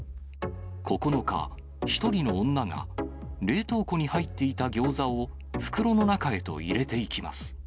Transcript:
９日、１人の女が、冷凍庫に入っていた餃子を袋の中へと入れていきます。